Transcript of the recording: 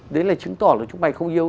đấy là chứng tỏ là chúng mày không yêu